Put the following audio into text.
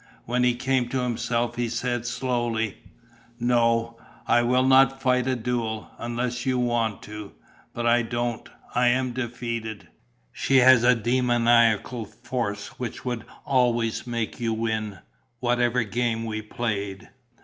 When he came to himself, he said, slowly: "No, I will not fight a duel. Unless you want to. But I don't. I am defeated. She has a demoniacal force which would always make you win, whatever game we played.